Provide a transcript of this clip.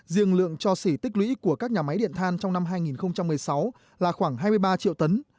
riêng lượng cho xỉ tích lũy của các nhà máy điện than trong năm hai nghìn một mươi sáu là khoảng hai mươi ba triệu tấn